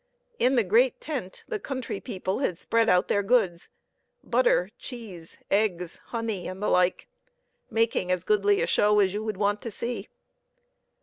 In the great tent the country people had spread out their goods butter, cheese, eggs, honey, and the like making as goodly a show as you would want to see.